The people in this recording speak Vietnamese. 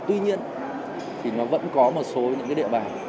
tuy nhiên thì nó vẫn có một số những cái địa bàn